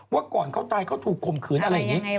ว่าก่อนเขาตายเขาถูกข่มขืนอะไรอย่างนี้